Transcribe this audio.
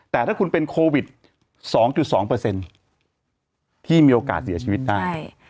แต่ถ้าคุณเป็นโควิด๒๒ที่มีโอกาสเสียชีวิตได้